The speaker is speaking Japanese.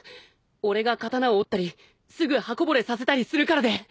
俺が刀を折ったりすぐ刃こぼれさせたりするからで。